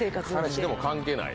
彼氏でも関係ない。